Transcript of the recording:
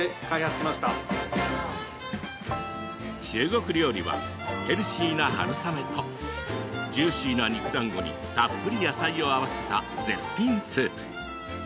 中国料理はヘルシーな春雨とジューシーな肉だんごにたっぷり野菜を合わせた絶品スープ。